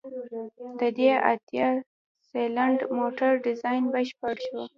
د دې اته سلنډره موټر ډيزاين بشپړ شو.